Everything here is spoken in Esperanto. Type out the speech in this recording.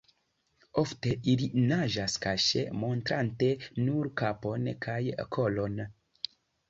Ofte ili naĝas kaŝe montrante nur kapon kaj kolon.